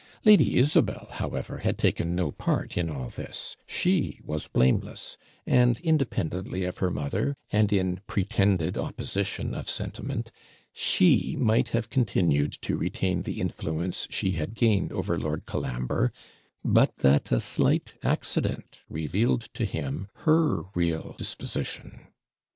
Lady Isabel, however, had taken no part in all this she was blameless; and, independently of her mother, and in pretended opposition of sentiment, she might have continued to retain the influence she had gained over Lord Colambre, but that a slight accident revealed to him her real disposition.